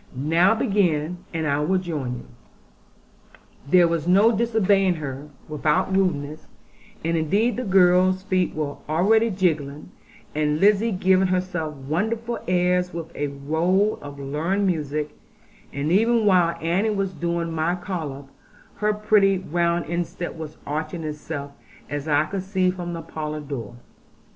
Now begin; and I will join you.' There was no disobeying her, without rudeness; and indeed the girls' feet were already jigging; and Lizzie giving herself wonderful airs with a roll of learned music; and even while Annie was doing my collop, her pretty round instep was arching itself, as I could see from the parlour door.